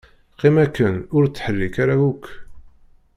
Qqim akken ur ttḥerrik ara akk.